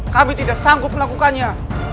kami tidak sanggup melakukannya